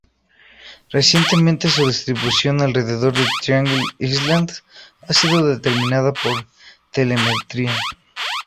Recientemente su distribución alrededor Triangle Island ha sido determinado por telemetría.